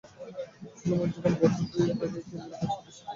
সোলায়মান জানান, বছর দুয়েক আগে এই কেন্দ্রে প্রচুর রোগী আসতেন।